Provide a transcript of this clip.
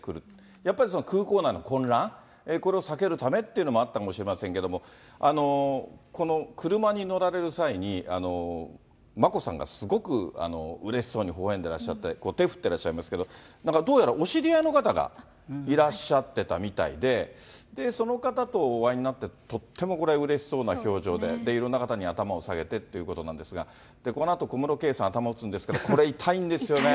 やっぱり、空港内の混乱、これを避けるためっていうのもあったのかもしれませんけども、この車に乗られる際に、眞子さんがすごくうれしそうに微笑んでらっしゃって、手振ってらっしゃいますけど、なんかどうやら、お知り合いの方がいらっしゃってたみたいで、その方とお会いになって、とってもこれ、うれしそうな表情で、いろんな方に頭を下げてってことなんですが、このあと、小室圭さん、頭を打つんですが、これ、痛いんですよね。